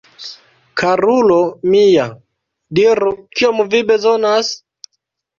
Karulo mia, diru, kiom vi bezonas?